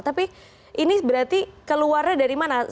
tapi ini berarti keluarnya dari mana